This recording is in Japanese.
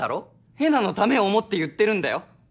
えなのためを思って言ってるんだよ？